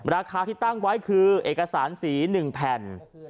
ราคาที่ตั้งไว้คือเอกสารสี๑แผ่น